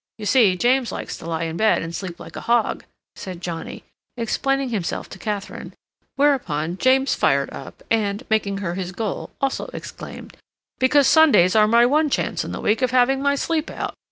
"You see, James likes to lie in bed and sleep like a hog," said Johnnie, explaining himself to Katharine, whereupon James fired up and, making her his goal, also exclaimed: "Because Sundays are my one chance in the week of having my sleep out.